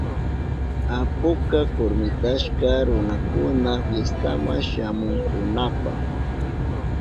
Apuka kurmitashka runakuna fiestama shamunankunapa.